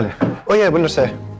iya bener saya